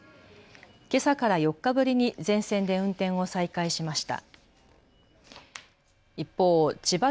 けさから４日ぶりに全線で運転を再開しました。